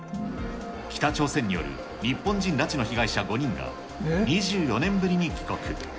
北朝鮮による日本人拉致の被害者５人が、２４年ぶりに帰国。